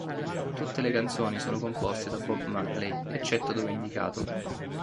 Tutte le canzoni sono composte da Bob Marley, eccetto dove indicato.